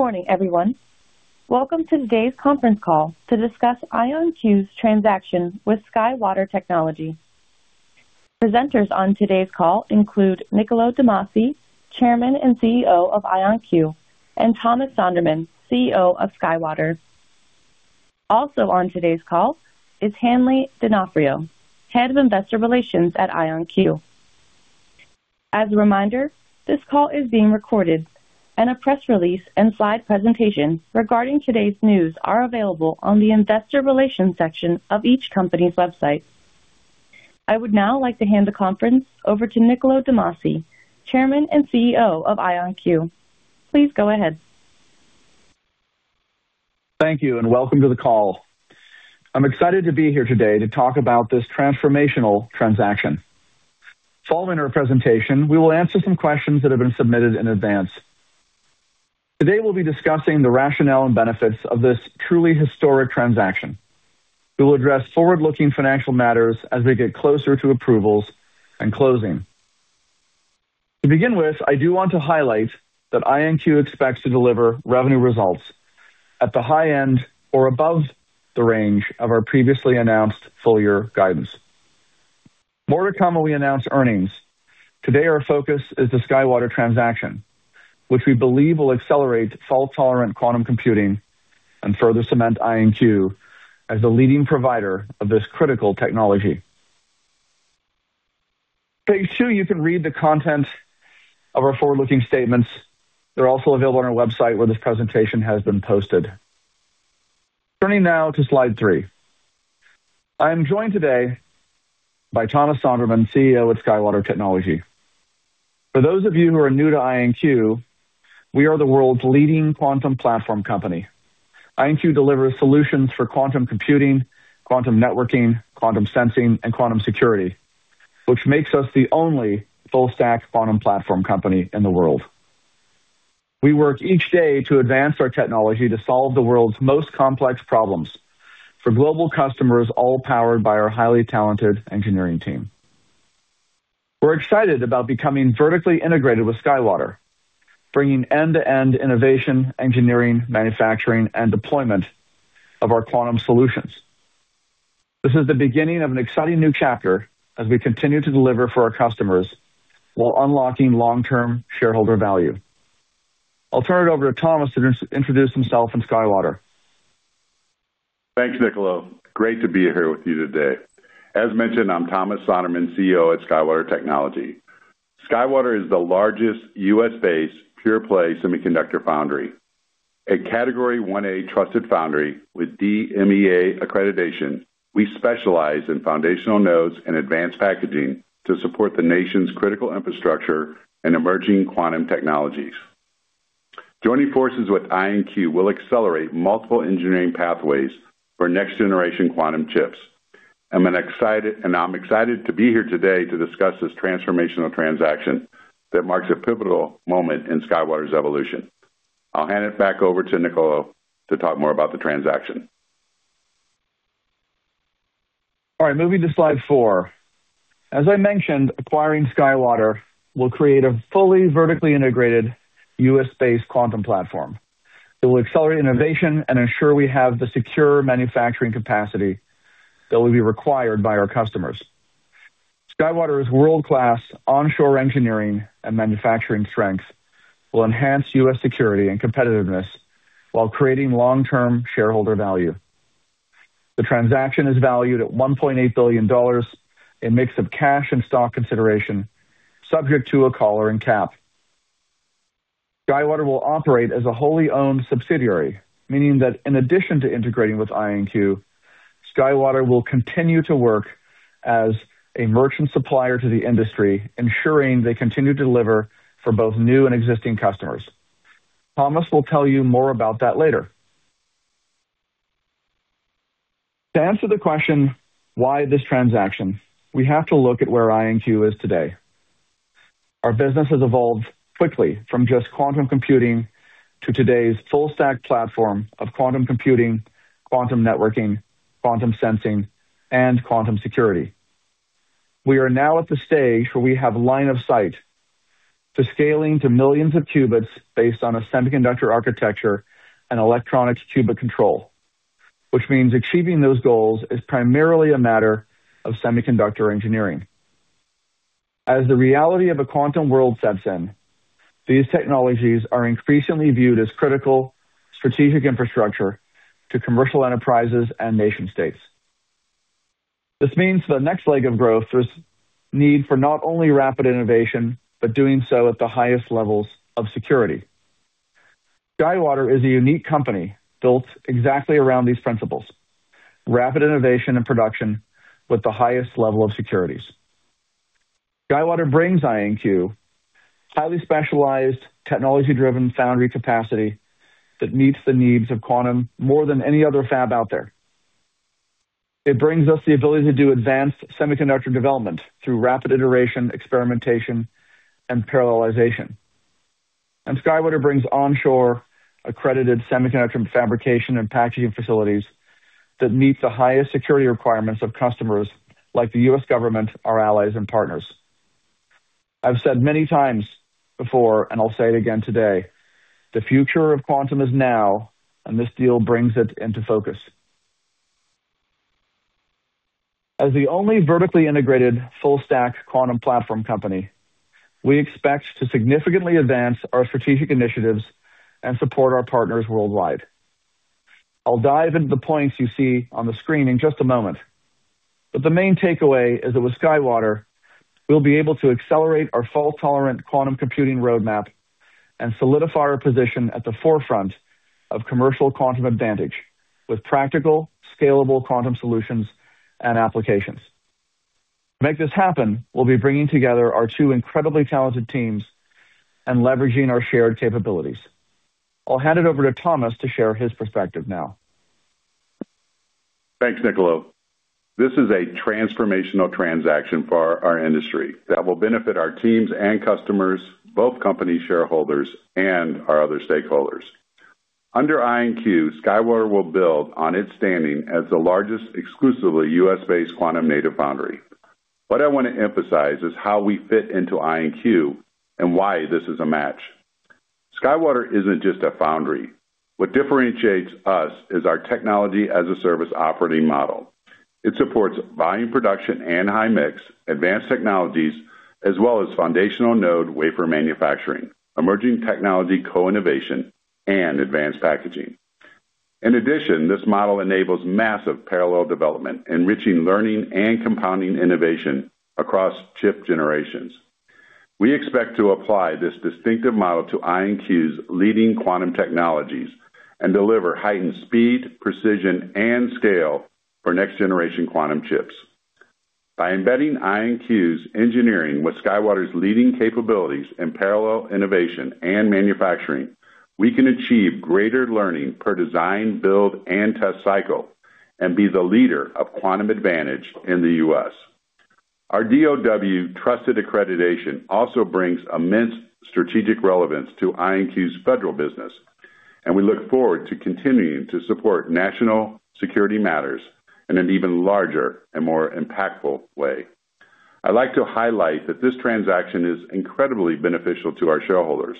Good morning, everyone. Welcome to today's conference call to discuss IonQ's transaction with SkyWater Technology. Presenters on today's call include Niccolo de Masi, Chairman and CEO of IonQ, and Thomas Sonderman, CEO of SkyWater. Also on today's call is Hanley Donofrio, Head of Investor Relations at IonQ. As a reminder, this call is being recorded, and a press release and slide presentation regarding today's news are available on the investor relations section of each company's website. I would now like to hand the conference over to Niccolo de Masi, Chairman and CEO of IonQ. Please go ahead. Thank you, and welcome to the call. I'm excited to be here today to talk about this transformational transaction. Following our presentation, we will answer some questions that have been submitted in advance. Today, we'll be discussing the rationale and benefits of this truly historic transaction. We will address forward-looking financial matters as we get closer to approvals and closing. To begin with, I do want to highlight that IonQ expects to deliver revenue results at the high end or above the range of our previously announced full-year guidance. More to come when we announce earnings. Today, our focus is the SkyWater transaction, which we believe will accelerate fault-tolerant quantum computing and further cement IonQ as the leading provider of this critical technology. Page two, you can read the content of our forward-looking statements. They're also available on our website, where this presentation has been posted. Turning now to slide three. I am joined today by Thomas Sonderman, CEO at SkyWater Technology. For those of you who are new to IonQ, we are the world's leading quantum platform company. IonQ delivers solutions for quantum computing, quantum networking, quantum sensing, and quantum security, which makes us the only full-stack quantum platform company in the world. We work each day to advance our technology to solve the world's most complex problems for global customers, all powered by our highly talented engineering team. We're excited about becoming vertically integrated with SkyWater, bringing end-to-end innovation, engineering, manufacturing, and deployment of our quantum solutions. This is the beginning of an exciting new chapter as we continue to deliver for our customers while unlocking long-term shareholder value. I'll turn it over to Thomas to introduce himself and SkyWater. Thanks, Niccolo. Great to be here with you today. As mentioned, I'm Thomas Sonderman, CEO at SkyWater Technology. SkyWater is the largest US-based, pure-play semiconductor foundry. A Category 1A Trusted Foundry with DMEA accreditation, we specialize in foundational nodes and advanced packaging to support the nation's critical infrastructure and emerging quantum technologies. Joining forces with IonQ will accelerate multiple engineering pathways for next-generation quantum chips. And I'm excited to be here today to discuss this transformational transaction that marks a pivotal moment in SkyWater's evolution. I'll hand it back over to Niccolo to talk more about the transaction. All right, moving to slide four. As I mentioned, acquiring SkyWater will create a fully vertically integrated US-based quantum platform that will accelerate innovation and ensure we have the secure manufacturing capacity that will be required by our customers. SkyWater's world-class onshore engineering and manufacturing strength will enhance US security and competitiveness while creating long-term shareholder value. The transaction is valued at $1.8 billion, a mix of cash and stock consideration, subject to a collar and cap. SkyWater will operate as a wholly owned subsidiary, meaning that in addition to integrating with IonQ, SkyWater will continue to work as a merchant supplier to the industry, ensuring they continue to deliver for both new and existing customers. Thomas will tell you more about that later. To answer the question, why this transaction? We have to look at where IonQ is today. Our business has evolved quickly from just quantum computing to today's full-stack platform of quantum computing, quantum networking, quantum sensing, and quantum security. We are now at the stage where we have line of sight to scaling to millions of qubits based on a semiconductor architecture and electronics qubit control, which means achieving those goals is primarily a matter of semiconductor engineering. As the reality of a quantum world sets in, these technologies are increasingly viewed as critical strategic infrastructure to commercial enterprises and nation-states. This means for the next leg of growth, there's need for not only rapid innovation, but doing so at the highest levels of security. SkyWater is a unique company built exactly around these principles, rapid innovation and production with the highest level of security. SkyWater brings IonQ highly specialized, technology-driven foundry capacity that meets the needs of quantum more than any other fab out there. It brings us the ability to do advanced semiconductor development through rapid iteration, experimentation, and parallelization. SkyWater brings onshore accredited semiconductor fabrication and packaging facilities that meet the highest security requirements of customers like the US government, our allies, and partners. I've said many times before, and I'll say it again today, the future of quantum is now, and this deal brings it into focus. As the only vertically integrated, full-stack quantum platform company, we expect to significantly advance our strategic initiatives and support our partners worldwide. I'll dive into the points you see on the screen in just a moment, but the main takeaway is that with SkyWater, we'll be able to accelerate our fault-tolerant quantum computing roadmap and solidify our position at the forefront of commercial quantum advantage with practical, scalable quantum solutions and applications. To make this happen, we'll be bringing together our two incredibly talented teams and leveraging our shared capabilities. I'll hand it over to Thomas to share his perspective now. Thanks, Niccolo. This is a transformational transaction for our industry that will benefit our teams and customers, both company shareholders, and our other stakeholders. Under IonQ, SkyWater will build on its standing as the largest exclusively U.S.-based quantum-native foundry. What I want to emphasize is how we fit into IonQ and why this is a match. SkyWater isn't just a foundry. What differentiates us is our technology as a service operating model. It supports volume production and high mix, advanced technologies, as well as foundational node wafer manufacturing, emerging technology co-innovation, and advanced packaging. In addition, this model enables massive parallel development, enriching learning and compounding innovation across chip generations. We expect to apply this distinctive model to IonQ's leading quantum technologies and deliver heightened speed, precision, and scale for next-generation quantum chips. By embedding IonQ's engineering with SkyWater's leading capabilities in parallel innovation and manufacturing, we can achieve greater learning per design, build, and test cycle and be the leader of quantum advantage in the US. Our DoD trusted accreditation also brings immense strategic relevance to IonQ's federal business, and we look forward to continuing to support national security matters in an even larger and more impactful way. I'd like to highlight that this transaction is incredibly beneficial to our shareholders.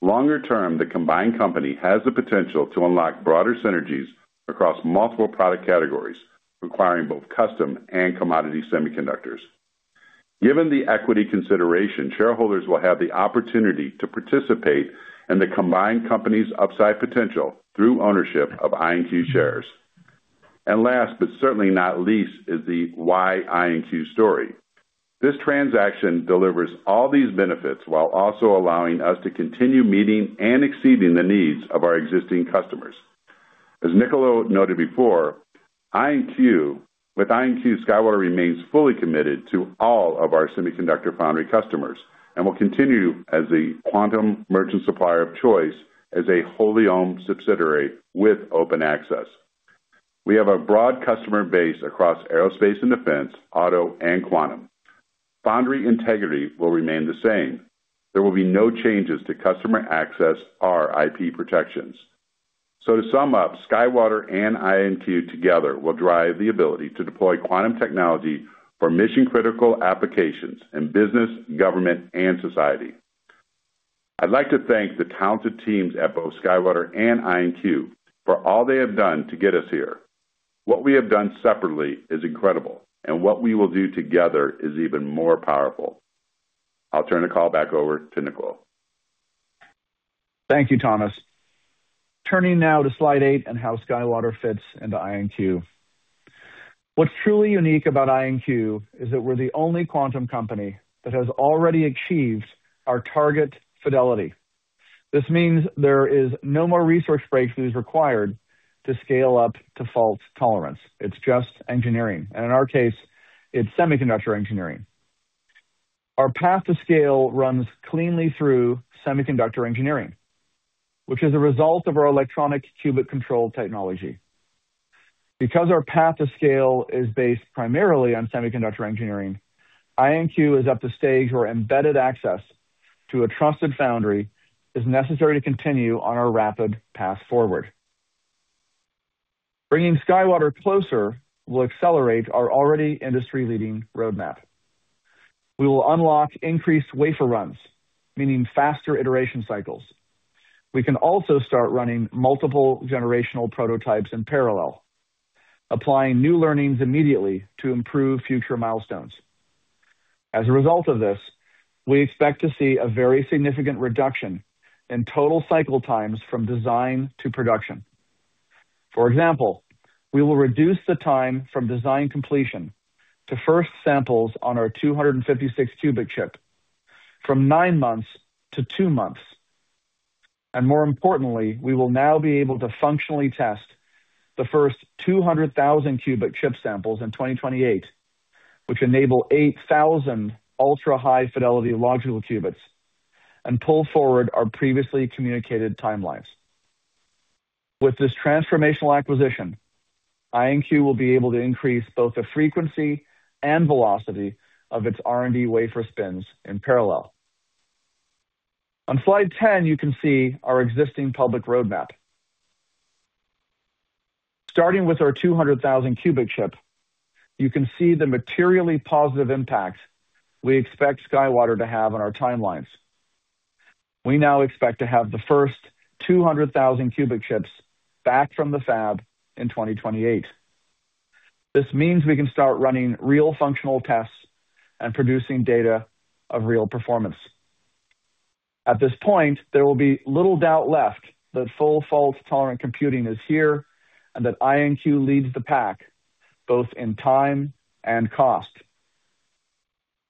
Longer term, the combined company has the potential to unlock broader synergies across multiple product categories, requiring both custom and commodity semiconductors. Given the equity consideration, shareholders will have the opportunity to participate in the combined company's upside potential through ownership of IonQ shares. Last, but certainly not least, is the why IonQ story. This transaction delivers all these benefits while also allowing us to continue meeting and exceeding the needs of our existing customers. As Niccolo noted before, with IonQ, SkyWater remains fully committed to all of our semiconductor foundry customers and will continue as a quantum merchant supplier of choice as a wholly owned subsidiary with open access. We have a broad customer base across aerospace and defense, auto, and quantum. Foundry integrity will remain the same. There will be no changes to customer access or IP protections. So to sum up, SkyWater and IonQ together will drive the ability to deploy quantum technology for mission-critical applications in business, government, and society. I'd like to thank the talented teams at both SkyWater and IonQ for all they have done to get us here. What we have done separately is incredible, and what we will do together is even more powerful. I'll turn the call back over to Niccolo. Thank you, Thomas. Turning now to slide eight and how SkyWater fits into IonQ. What's truly unique about IonQ is that we're the only quantum company that has already achieved our target fidelity. This means there is no more research breakthroughs required to scale up to fault tolerance. It's just engineering, and in our case, it's semiconductor engineering. Our path to scale runs cleanly through semiconductor engineering, which is a result of our electronic qubit control technology. Because our path to scale is based primarily on semiconductor engineering, IonQ is at the stage where embedded access to a trusted foundry is necessary to continue on our rapid path forward. Bringing SkyWater closer will accelerate our already industry-leading roadmap. We will unlock increased wafer runs, meaning faster iteration cycles. We can also start running multiple generational prototypes in parallel, applying new learnings immediately to improve future milestones. As a result of this, we expect to see a very significant reduction in total cycle times from design to production. For example, we will reduce the time from design completion to first samples on our 256-qubit chip from 9 months to 2 months. And more importantly, we will now be able to functionally test the first 200,000-qubit chip samples in 2028, which enable 8,000 ultra-high fidelity logical qubits and pull forward our previously communicated timelines. With this transformational acquisition, IonQ will be able to increase both the frequency and velocity of its R&D wafer spins in parallel. On slide 10, you can see our existing public roadmap. Starting with our 200,000-qubit chip, you can see the materially positive impact we expect SkyWater to have on our timelines. We now expect to have the first 200,000 qubit chips back from the fab in 2028. This means we can start running real functional tests and producing data of real performance. At this point, there will be little doubt left that full fault-tolerant computing is here and that IonQ leads the pack both in time and cost.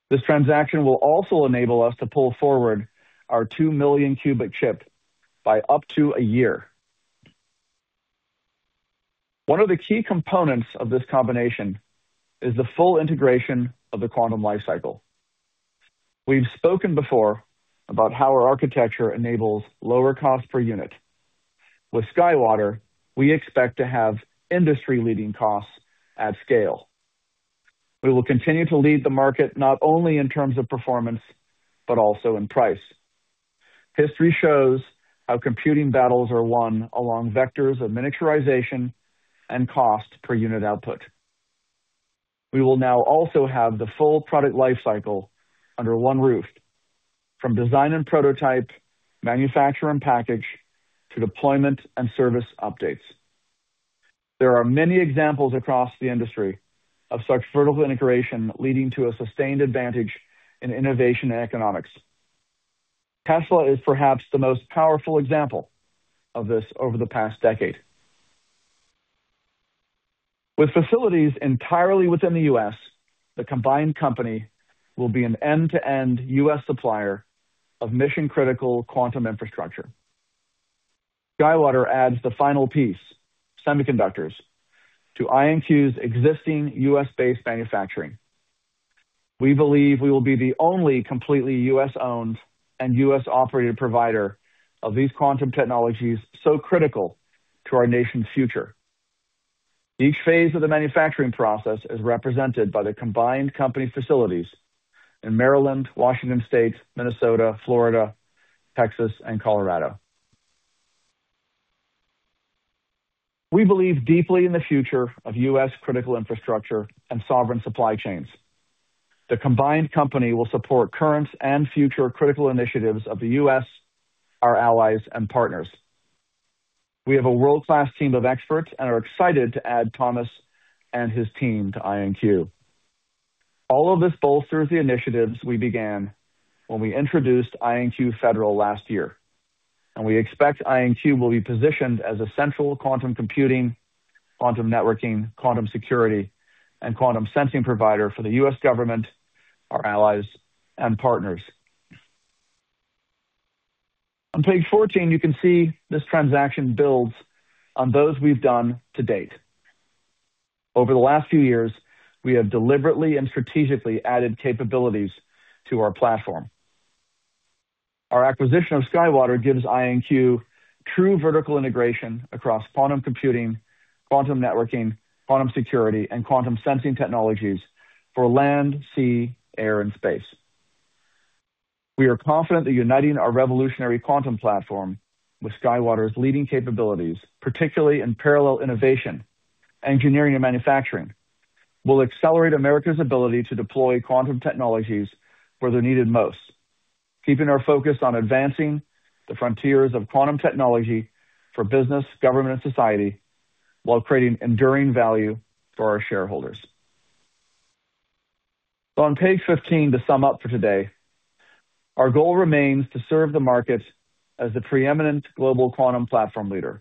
This transaction will also enable us to pull forward our 2 million qubit chip by up to a year. One of the key components of this combination is the full integration of the quantum lifecycle. We've spoken before about how our architecture enables lower cost per unit. With SkyWater, we expect to have industry-leading costs at scale. We will continue to lead the market not only in terms of performance, but also in price. History shows how computing battles are won along vectors of miniaturization and cost per unit output. We will now also have the full product lifecycle under one roof, from design and prototype, manufacture and package, to deployment and service updates. There are many examples across the industry of such vertical integration leading to a sustained advantage in innovation and economics. Tesla is perhaps the most powerful example of this over the past decade. With facilities entirely within the US, the combined company will be an end-to-end US supplier of mission-critical quantum infrastructure. SkyWater adds the final piece, semiconductors, to IonQ's existing US-based manufacturing. We believe we will be the only completely US-owned and US-operated provider of these quantum technologies so critical to our nation's future. Each phase of the manufacturing process is represented by the combined company facilities in Maryland, Washington State, Minnesota, Florida, Texas, and Colorado. We believe deeply in the future of US critical infrastructure and sovereign supply chains. The combined company will support current and future critical initiatives of the U.S., our allies, and partners. We have a world-class team of experts and are excited to add Thomas and his team to IonQ. All of this bolsters the initiatives we began when we introduced IonQ Federal last year, and we expect IonQ will be positioned as a central quantum computing, quantum networking, quantum security, and quantum sensing provider for the U.S. government, our allies, and partners. On page 14, you can see this transaction builds on those we've done to date. Over the last few years, we have deliberately and strategically added capabilities to our platform. Our acquisition of SkyWater gives IonQ true vertical integration across quantum computing, quantum networking, quantum security, and quantum sensing technologies for land, sea, air, and space. We are confident that uniting our revolutionary quantum platform with SkyWater's leading capabilities, particularly in parallel innovation, engineering, and manufacturing, will accelerate America's ability to deploy quantum technologies where they're needed most, keeping our focus on advancing the frontiers of quantum technology for business, government, and society, while creating enduring value for our shareholders. So, on page 15, to sum up for today, our goal remains to serve the market as the preeminent global quantum platform leader,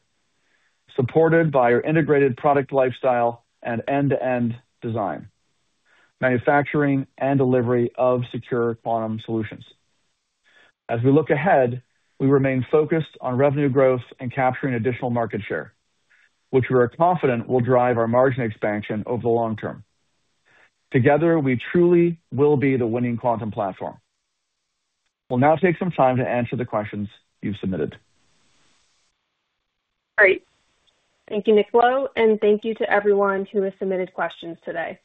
supported by our integrated product lifecycle and end-to-end design, manufacturing, and delivery of secure quantum solutions. As we look ahead, we remain focused on revenue growth and capturing additional market share, which we are confident will drive our margin expansion over the long term. Together, we truly will be the winning quantum platform. We'll now take some time to answer the questions you've submitted. Great. Thank you, Niccolo, and thank you to everyone who has submitted questions today.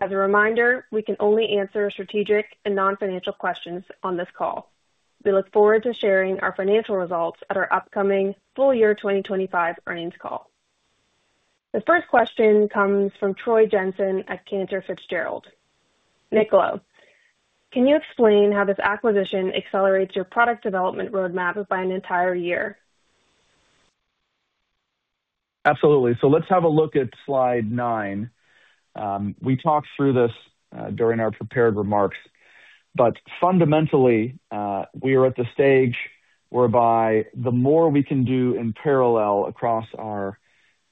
As a reminder, we can only answer strategic and non-financial questions on this call. We look forward to sharing our financial results at our upcoming full year 2025 earnings call. The first question comes from Troy Jensen at Cantor Fitzgerald. Niccolo, can you explain how this acquisition accelerates your product development roadmap by an entire year? Absolutely. So let's have a look at slide nine. We talked through this during our prepared remarks, but fundamentally, we are at the stage whereby the more we can do in parallel across our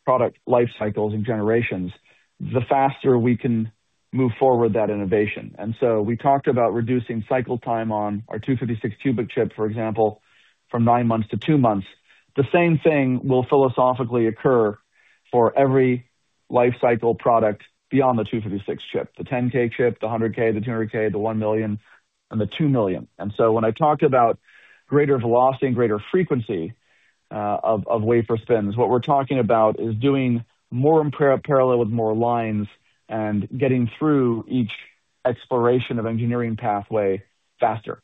product life cycles and generations, the faster we can move forward that innovation. And so we talked about reducing cycle time on our 256-qubit chip, for example, from 9 months to 2 months. The same thing will philosophically occur for every lifecycle product beyond the 256-qubit chip, the 10K chip, the 100K, the 200K, the 1 million, and the 2 million. And so when I talked about greater velocity and greater frequency of wafer spins, what we're talking about is doing more in parallel with more lines and getting through each exploration of engineering pathway faster.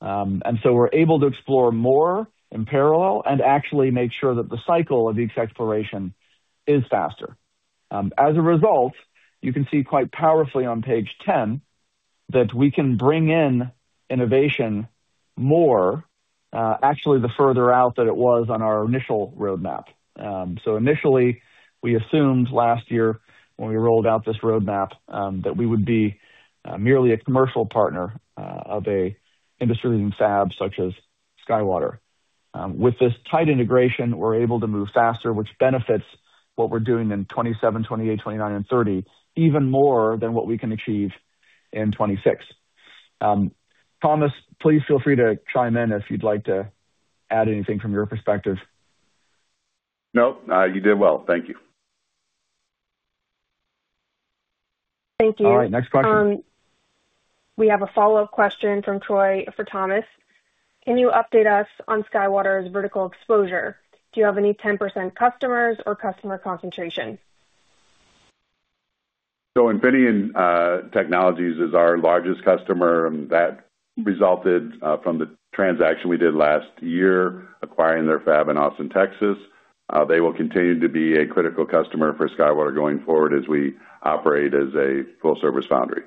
And so we're able to explore more in parallel and actually make sure that the cycle of each exploration is faster. As a result, you can see quite powerfully on page 10 that we can bring in innovation more, actually, the further out than it was on our initial roadmap. So initially, we assumed last year when we rolled out this roadmap, that we would be merely a commercial partner of an industry-leading fab, such as SkyWater. With this tight integration, we're able to move faster, which benefits what we're doing in 2027, 2028, 2029, and 2030, even more than what we can achieve in 2026. Thomas, please feel free to chime in if you'd like to add anything from your perspective. No, you did well. Thank you. Thank you. All right, next question. We have a follow-up question from Troy for Thomas. Can you update us on SkyWater's vertical exposure? Do you have any 10% customers or customer concentration? So Infineon Technologies is our largest customer. That resulted from the transaction we did last year, acquiring their fab in Austin, Texas. They will continue to be a critical customer for SkyWater going forward as we operate as a full-service foundry.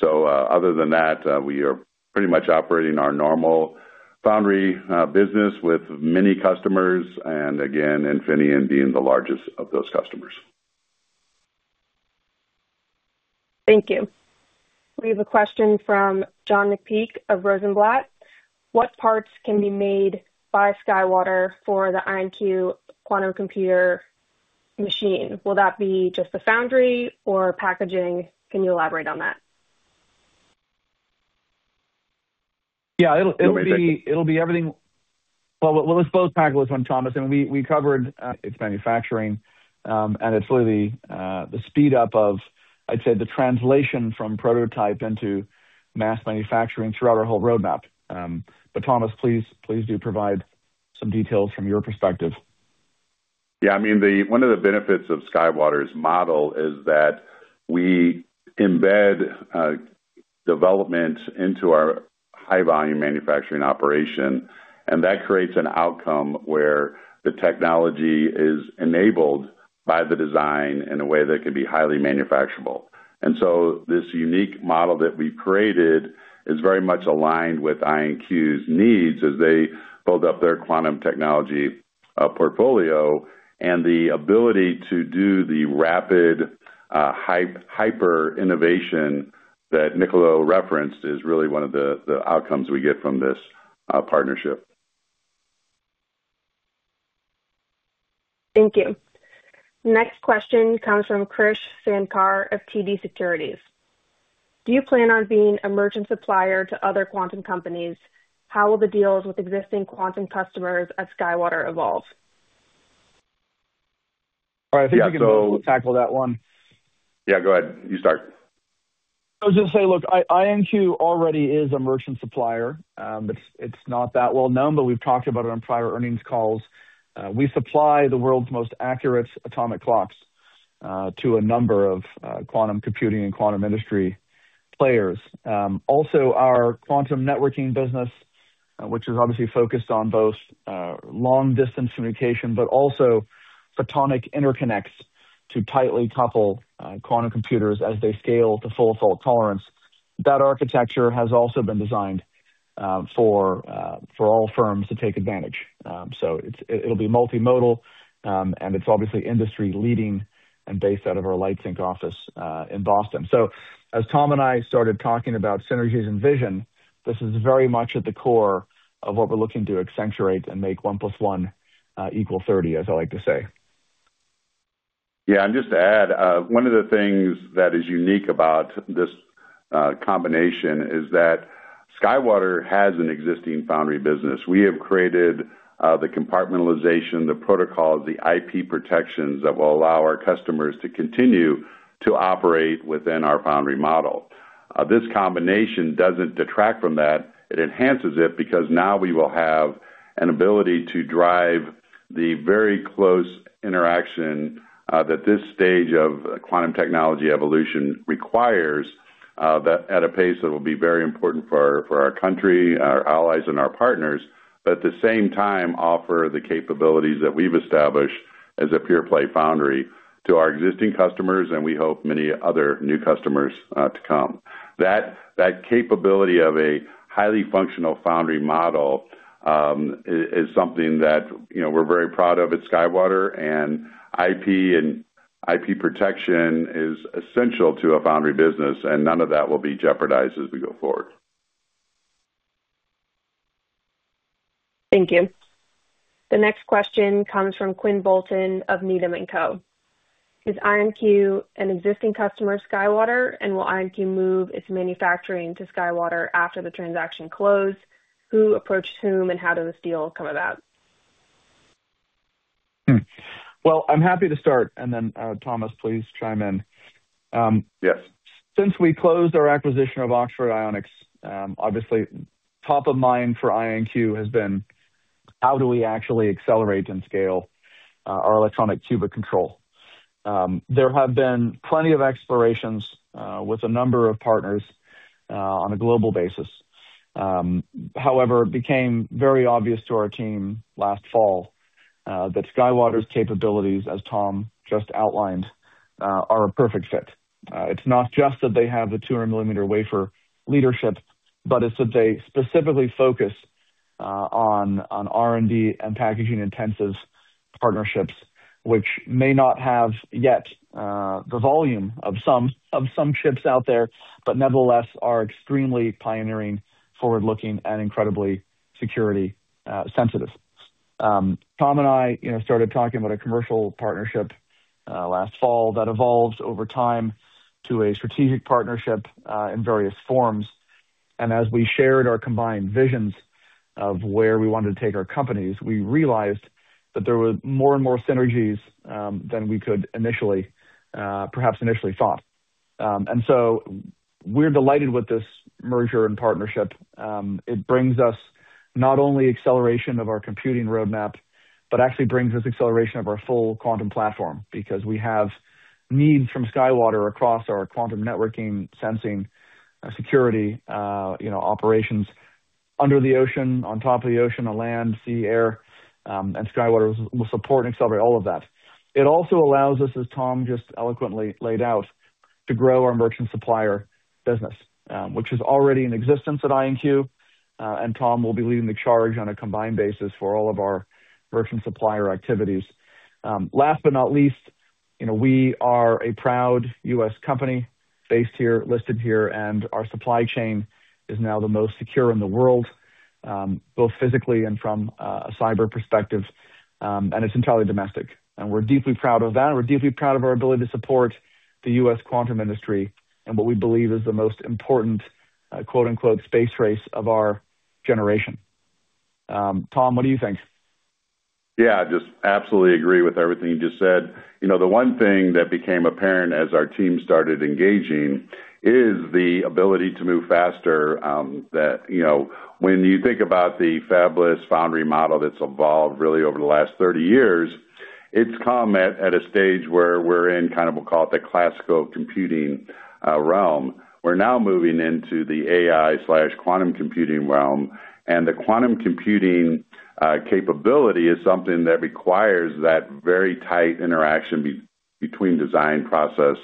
So, other than that, we are pretty much operating our normal foundry business with many customers, and again, Infineon being the largest of those customers. Thank you. We have a question from John McPeake of Rosenblatt. What parts can be made by SkyWater for the IonQ quantum computer machine? Will that be just the foundry or packaging? Can you elaborate on that? Yeah, it'll be everything. Well, we'll expose pack list on Thomas, and we covered its manufacturing, and it's really the speed up of, I'd say, the translation from prototype into mass manufacturing throughout our whole roadmap. But Thomas, please do provide some details from your perspective. Yeah, I mean, one of the benefits of SkyWater's model is that we embed development into our high-volume manufacturing operation, and that creates an outcome where the technology is enabled by the design in a way that can be highly manufacturable. And so this unique model that we've created is very much aligned with IonQ's needs as they build up their quantum technology portfolio, and the ability to do the rapid hyper innovation that Niccolo referenced is really one of the outcomes we get from this partnership. Thank you. Next question comes from Krish Sankar of TD Securities. Do you plan on being a merchant supplier to other quantum companies? How will the deals with existing quantum customers at SkyWater evolve? I think I can tackle that one. Yeah, go ahead. You start. I'll just say, look, IonQ already is a merchant supplier. It's not that well known, but we've talked about it on prior earnings calls. We supply the world's most accurate atomic clocks to a number of quantum computing and quantum industry players. Also, our quantum networking business, which is obviously focused on both long-distance communication, but also photonic interconnects to tightly couple quantum computers as they scale to full fault tolerance. That architecture has also been designed for all firms to take advantage. So it's, it'll be multimodal, and it's obviously industry-leading and based out of our LightSync office in Boston. So as Tom and I started talking about synergies and vision, this is very much at the core of what we're looking to accentuate and make one plus one equal thirty, as I like to say. Yeah, and just to add, one of the things that is unique about this combination is that SkyWater has an existing foundry business. We have created the compartmentalization, the protocols, the IP protections that will allow our customers to continue to operate within our foundry model. This combination doesn't detract from that. It enhances it because now we will have an ability to drive the very close interaction that this stage of quantum technology evolution requires, that at a pace that will be very important for our country, our allies, and our partners, but at the same time, offer the capabilities that we've established as a pure-play foundry to our existing customers, and we hope many other new customers to come. That, that capability of a highly functional foundry model is something that, you know, we're very proud of at SkyWater, and IP and IP protection is essential to a foundry business, and none of that will be jeopardized as we go forward. Thank you. The next question comes from Quinn Bolton of Needham & Co. Is IonQ an existing customer of SkyWater, and will IonQ move its manufacturing to SkyWater after the transaction closed? Who approached whom, and how did this deal come about? Hmm. Well, I'm happy to start, and then, Thomas, please chime in. Yes. Since we closed our acquisition of Oxford Ionics, obviously, top of mind for IonQ has been: How do we actually accelerate and scale our electronic qubit control? There have been plenty of explorations with a number of partners on a global basis. However, it became very obvious to our team last fall that SkyWater's capabilities, as Tom just outlined, are a perfect fit. It's not just that they have the 200-millimeter wafer leadership, but it's that they specifically focus on R&D and packaging-intensive partnerships, which may not have yet the volume of some chips out there, but nevertheless are extremely pioneering, forward-looking and incredibly security sensitive. Tom and I, you know, started talking about a commercial partnership last fall that evolved over time to a strategic partnership in various forms. As we shared our combined visions of where we wanted to take our companies, we realized that there were more and more synergies than we could initially, perhaps initially thought. And so we're delighted with this merger and partnership. It brings us not only acceleration of our computing roadmap, but actually brings us acceleration of our full quantum platform, because we have needs from SkyWater across our quantum networking, sensing, security, you know, operations under the ocean, on top of the ocean, on land, sea, air, and SkyWater will support and accelerate all of that. It also allows us, as Tom just eloquently laid out, to grow our merchant supplier business, which is already in existence at IonQ, and Tom will be leading the charge on a combined basis for all of our merchant supplier activities. Last but not least, you know, we are a proud U.S. company, based here, listed here, and our supply chain is now the most secure in the world, both physically and from a cyber perspective, and it's entirely domestic. And we're deeply proud of that, and we're deeply proud of our ability to support the U.S. quantum industry and what we believe is the most important, quote-unquote, "space race of our generation." Tom, what do you think? Yeah, I just absolutely agree with everything you just said. You know, the one thing that became apparent as our team started engaging is the ability to move faster, that, you know, when you think about the fabless foundry model that's evolved really over the last 30 years, it's come at a stage where we're in kind of, we'll call it, the classical computing realm. We're now moving into the AI/quantum computing realm, and the quantum computing capability is something that requires that very tight interaction between design, process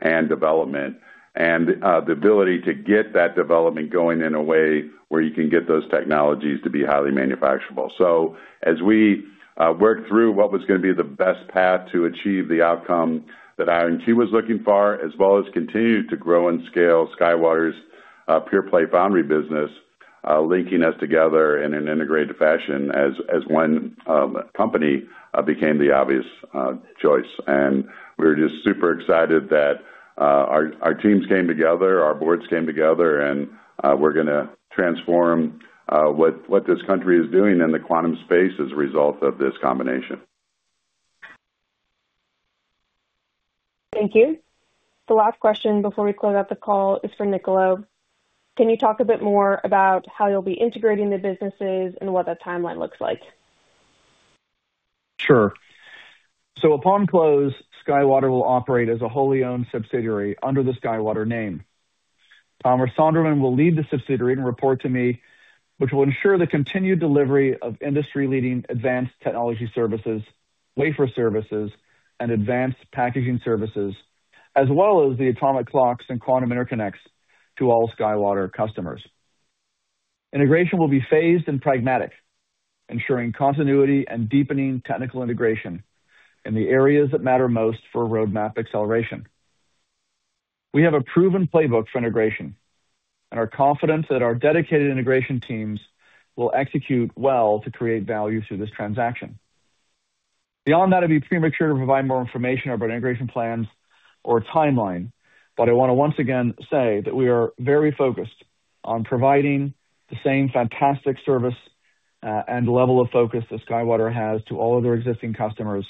and development, and the ability to get that development going in a way where you can get those technologies to be highly manufacturable. So as we worked through what was gonna be the best path to achieve the outcome that IonQ was looking for, as well as continue to grow and scale SkyWater's pure play foundry business, linking us together in an integrated fashion as one company became the obvious choice. We're just super excited that our teams came together, our boards came together, and we're gonna transform what this country is doing in the quantum space as a result of this combination. Thank you. The last question before we close out the call is for Niccolo. Can you talk a bit more about how you'll be integrating the businesses and what that timeline looks like? Sure. So upon close, SkyWater will operate as a wholly owned subsidiary under the SkyWater name. Thomas Sonderman will lead the subsidiary and report to me, which will ensure the continued delivery of industry-leading advanced technology services, wafer services, and advanced packaging services, as well as the atomic clocks and quantum interconnects to all SkyWater customers. Integration will be phased and pragmatic, ensuring continuity and deepening technical integration in the areas that matter most for roadmap acceleration. We have a proven playbook for integration and are confident that our dedicated integration teams will execute well to create value through this transaction. Beyond that, it'd be premature to provide more information about integration plans or a timeline, but I want to once again say that we are very focused on providing the same fantastic service, and level of focus that SkyWater has to all of their existing customers,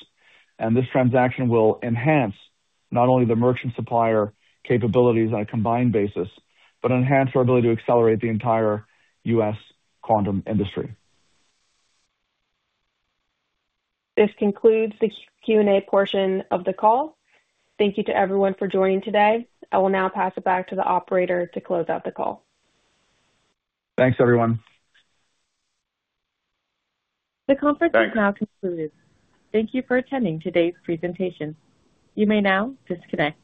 and this transaction will enhance not only the merchant supplier capabilities on a combined basis, but enhance our ability to accelerate the entire US quantum industry. This concludes the Q&A portion of the call. Thank you to everyone for joining today. I will now pass it back to the operator to close out the call. Thanks, everyone. The conference has now concluded. Thank you for attending today's presentation. You may now disconnect.